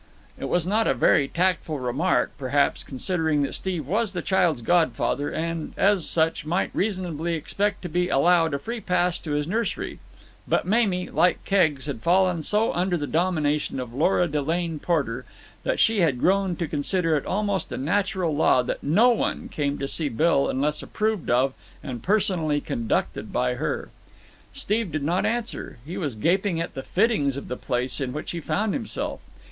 It was not a very tactful remark, perhaps, considering that Steve was the child's godfather, and, as such, might reasonably expect to be allowed a free pass to his nursery; but Mamie, like Keggs, had fallen so under the domination of Lora Delane Porter that she had grown to consider it almost a natural law that no one came to see Bill unless approved of and personally conducted by her. Steve did not answer. He was gaping at the fittings of the place in which he found himself.